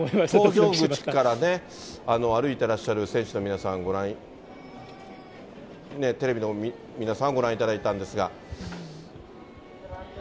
搭乗口から歩いてらっしゃる選手の皆さん、ご覧、テレビの皆さんはご覧いただいたんですが。